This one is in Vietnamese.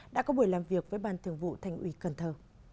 đã có buổi làm việc với ban thường vụ thành ủy cần thơ